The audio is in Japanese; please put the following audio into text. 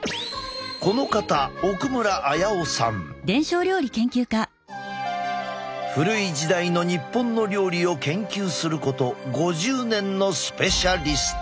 この方古い時代の日本の料理を研究すること５０年のスペシャリスト。